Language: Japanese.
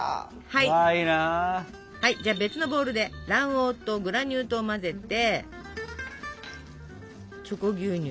はいじゃあ別のボウルで卵黄とグラニュー糖を混ぜてチョコ牛乳